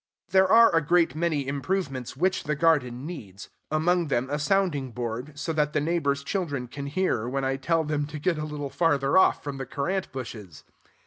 There are a great many improvements which the garden needs; among them a sounding board, so that the neighbors' children can hear when I tell them to get a little farther off from the currant bushes.